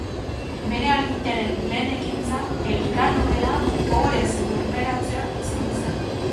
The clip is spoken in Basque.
Bere agintearen lehen ekintza Elkano bera ohorez lurperatzea izan zen.